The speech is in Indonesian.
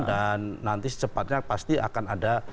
dan nanti secepatnya pasti akan ada